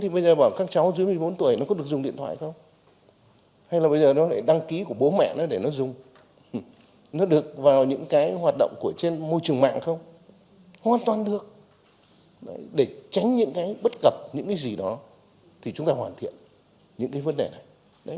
bất cập những cái gì đó thì chúng ta hoàn thiện những cái vấn đề này